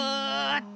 っと。